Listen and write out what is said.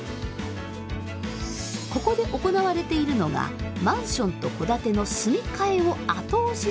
ここで行われているのがマンションと戸建ての住み替えを後押しする取り組み。